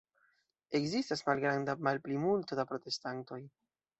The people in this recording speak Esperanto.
Ekzistas malgranda malplimulto da protestantoj.